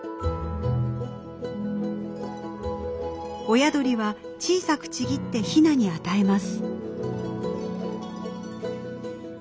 親鳥は小さくちぎってヒナに与えます。